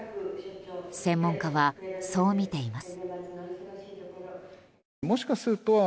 専門家はそう見ています。